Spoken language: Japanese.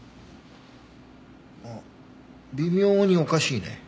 あっ微妙におかしいね。